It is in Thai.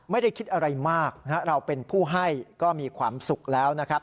ไม่ได้คิดอะไรมากเราเป็นผู้ให้ก็มีความสุขแล้วนะครับ